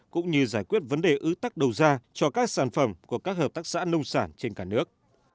cũng như giải quyết vấn đề ưu tắc đầu ra cho các sản phẩm của các hợp tác xã nông sản trên cả nước